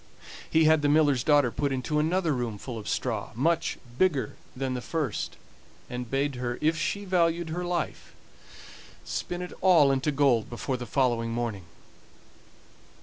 He had the miller's daughter put into another room full of straw, much bigger than the first, and bade her, if she valued her life, spin it all into gold before the following morning.